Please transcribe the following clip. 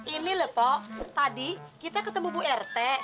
ini lho pak tadi kita ketemu bu rt